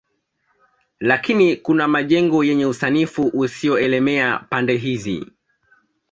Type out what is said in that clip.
Lakini kuna majengo yenye usanifu usioelemea pande hizi